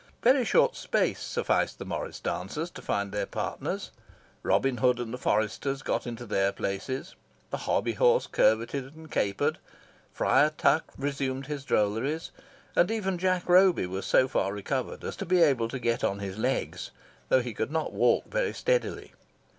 Very short space sufficed the morris dancers to find their partners; Robin Hood and the foresters got into their places; the hobby horse curveted and capered; Friar Tuck resumed his drolleries; and even Jack Roby was so far recovered as to be able to get on his legs, though he could not walk very steadily.